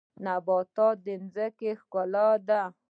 نباتات د ځمکې ښکلا ده